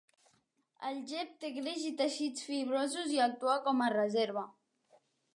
El gep té greix i teixits fibrosos i actua com a reserva.